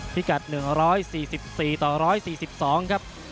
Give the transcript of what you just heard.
พิกัด๑๔๔ต่อ๑๔๒ครับ